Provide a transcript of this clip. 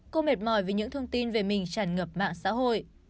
cô mệt mỏi vì những thông tin về mình tràn ngập mạng xã hội